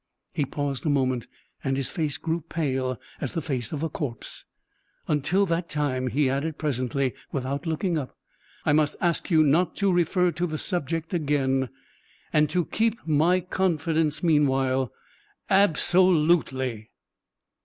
He paused a moment, and his face grew pale as the face of a corpse. "Until that time," he added presently, without looking up, "I must ask you not to refer to the subject again and to keep my confidence meanwhile ab so lute ly."